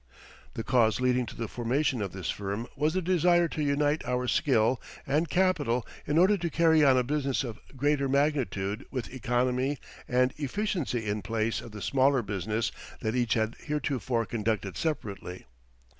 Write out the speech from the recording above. The cause leading to the formation of this firm was the desire to unite our skill and capital in order to carry on a business of greater magnitude with economy and efficiency in place of the smaller business that each had heretofore conducted separately.